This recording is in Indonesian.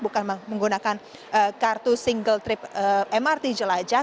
bukan menggunakan kartu single trip mrt jelajah